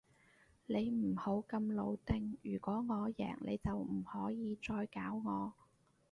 你唔好咁老定，如果我贏，你就唔可以再搞我